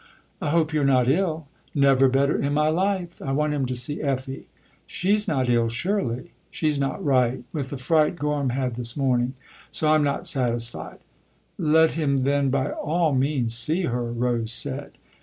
" I hope you're not ill." " Never better in my life. I want him to see Effie." " She's not ill surely?" " She's not right with the fright Gorham had this morning. So I'm not satisfied." " Let him then by all means see her," Rose said.